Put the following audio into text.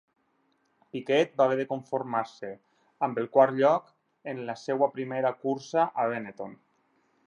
Piquet va haver de conformar-se amb el quart lloc en la seva primera cursa a Benetton.